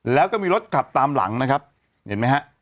แล้วก็มีรถขับตามหลังนะครับเห็นไหมฮะ